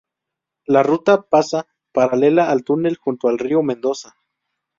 La ruta pasa paralela al túnel junto al Río Mendoza.